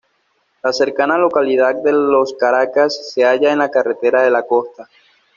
La cercana localidad de Los Caracas se halla en la carretera de la costa.